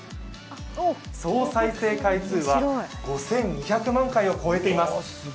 総再生回数は５２００万回を超えています。